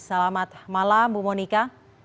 selamat malam bu monika